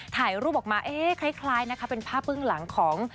ถ่ายรูปออกมาเอ๊ะคล้ายนะคะเป็นภาพเบื้องหลังของ